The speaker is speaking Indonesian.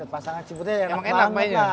pasangan cibutet enak banget